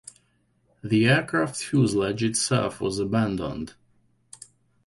The aircraft fuselage itself was abandoned.